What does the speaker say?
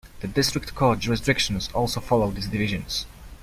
The district court jurisdictions also follow these divisions.